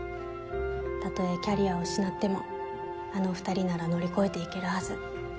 たとえキャリアを失ってもあの２人なら乗り越えていけるはず。